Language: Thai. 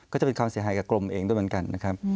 ก็จะเป็นความเสียหายกับกรมเองด้วยเหมือนกันนะครับ